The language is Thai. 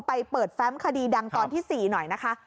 ไปเปิดแฟมคดีดังตอนที่๔หน่อยนะคะ